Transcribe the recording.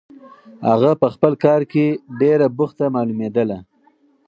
هغه په خپل کار کې ډېره بوخته معلومېدله.